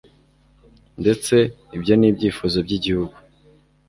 Ndetse ibyo n'ibyifuzo by'igihugu